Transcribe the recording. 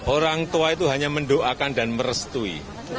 orang tua itu hanya mendoakan dan merestui